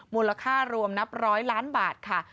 มูลค่ารวมนับร้อยล้านบาทค่ะ